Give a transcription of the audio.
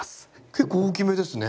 結構大きめですね。